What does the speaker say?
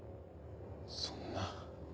そんな。